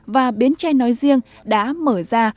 và biến tre nói riêng đã mở ra